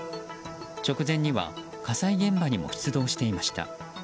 直前には火災現場にも出動していました。